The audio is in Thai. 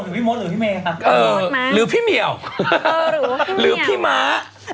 พี่มดหรือพี่เมย์หรือพี่เหมียวหรือพี่ม้า